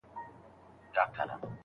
خدای په خپل قلم یم په ازل کي نازولی